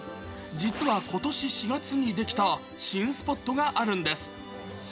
実はことし４月に出来た新スポットがあるんです。